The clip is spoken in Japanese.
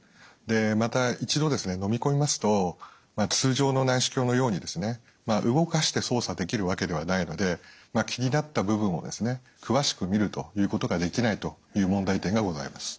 また一度飲み込みますと通常の内視鏡のように動かして操作できるわけではないので気になった部分を詳しく見るということができないという問題点がございます。